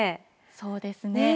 そうですね。